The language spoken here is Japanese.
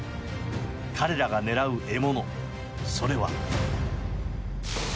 彼らが狙う獲物、それは。